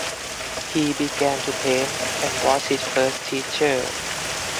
He began to paint and was his first teacher.